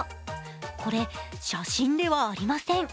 これ、写真ではありません。